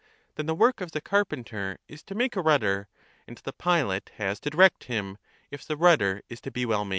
Then the work of the carpenter is to make a rudder, and the pilot has to direct him, if the rudder is to be well made.